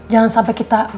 jangan sampai kita